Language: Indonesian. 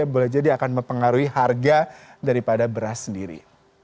boleh jadi akan mempengaruhi harga daripada beras sendiri